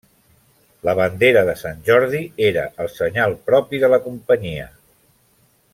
La bandera de sant Jordi era el senyal propi de la companyia.